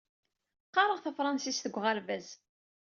Qqareɣ tafṛensist deg uɣerbaz.